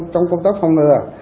trong công tác phòng ngừa